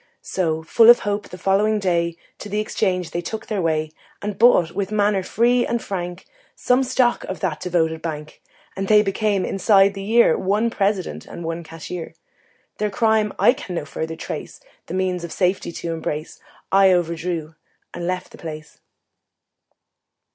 So, full of hope, the following day To the exchange they took their way And bought, with manner free and frank, Some stock of that devoted bank; And they became, inside the year, One President and one Cashier. Their crime I can no further trace The means of safety to embrace, I overdrew and left the place.